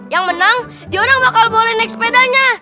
yang menang diorang bakal boleh naik sepedanya